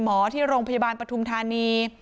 หมอที่โรงพยาบาลปฐุมธานี